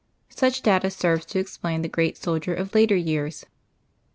Such data serves to explain the great soldier of later years.